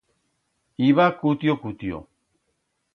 Iba cutio-cutio.